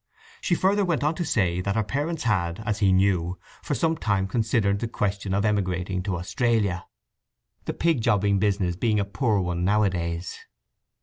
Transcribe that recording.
She further went on to say that her parents had, as he knew, for some time considered the question of emigrating to Australia, the pig jobbing business being a poor one nowadays.